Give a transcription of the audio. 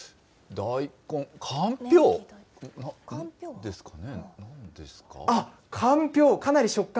大根、かんぴょう？ですかね？